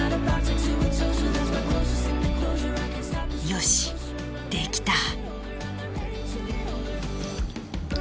よしできた！